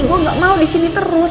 gua gak mau disini terus